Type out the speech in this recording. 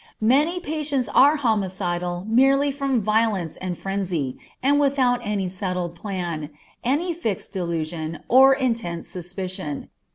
Many patients are homicidal merely from violence and frenzy, and without any settled plan, any fixed delusion, or intense suspicion.